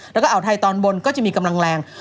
แล้วก็อ่าวไทยตอนบนก็จะมีกำลังแรง